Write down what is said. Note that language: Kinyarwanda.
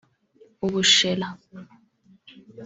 ubushera